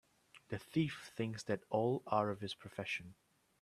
The thief thinks that all are of his profession